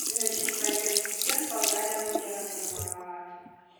Бир нече жылдан кийин резидент Болгариянын жарандыгын ала алат.